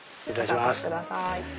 またお越しください。